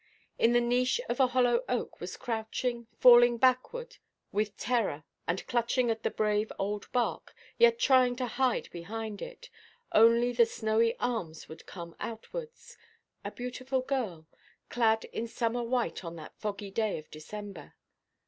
In the niche of a hollow oak was crouching, falling backward with terror, and clutching at the brave old bark, yet trying to hide behind it—only the snowy arms would come outwards—a beautiful girl, clad in summer white on that foggy day of December.